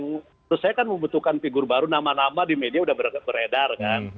menurut saya kan membutuhkan figur baru nama nama di media sudah beredar kan